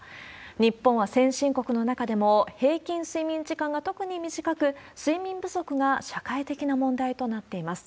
日本は先進国の中でも平均睡眠時間が特に短く、睡眠不足が社会的な問題となっています。